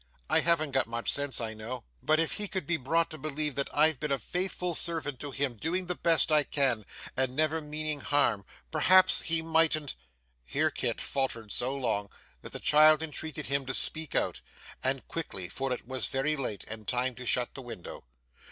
I haven't got much sense, I know, but if he could be brought to believe that I'd been a faithful servant to him, doing the best I could, and never meaning harm, perhaps he mightn't ' Here Kit faltered so long that the child entreated him to speak out, and quickly, for it was very late, and time to shut the window.